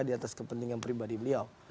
di atas kepentingan pribadi beliau